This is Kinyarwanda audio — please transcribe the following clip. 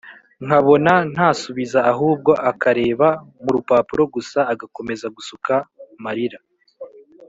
nkabona ntasubiza ahubwo akareba murupapuro gusa agakomeza gusuka marira!